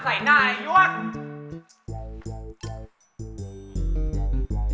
ใส่หน้าไอ้ยวก